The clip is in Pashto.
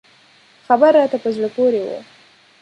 خبر راته په زړه پورې و.